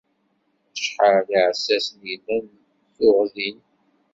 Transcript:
Acḥal iεessasen i yellan tuɣ din?